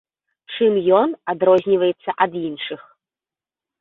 Чым ён адрозніваецца ад іншых?